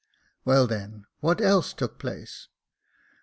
' Well then, what else took place